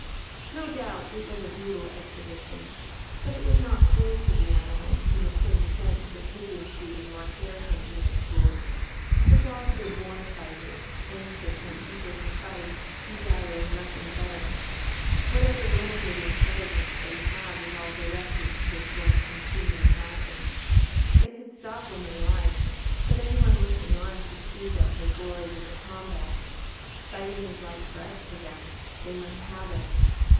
No doubt it was a brutal exhibition. But it was not cruel to the animals in the same sense that pigeon shooting or hare hunting is cruel. The dogs are born fighters, anxious and eager to fight, desiring nothing better. Whatever limited intelligence they have is all directed to this one consuming passion. They could stop when they liked, but anyone looking on could see that they gloried in the combat. Fighting is like breath to them they must have it.